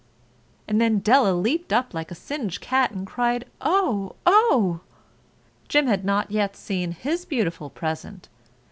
And then Della leaped up like a little singed cat and cried, "Oh, oh!" Jim had not yet seen his beautiful present.